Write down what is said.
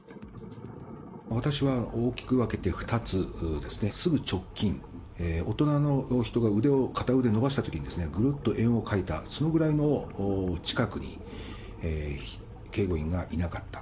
私は大きく分けて２つですね、すぐ直近、大人の人が腕を、片腕を伸ばしたときにぐるーっと円を描いた、そのぐらいの近くに、警護員がいなかった。